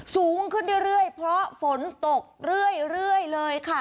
สูงขึ้นเรื่อยเรื่อยเพราะฝนตกเรื่อยเรื่อยเลยค่ะ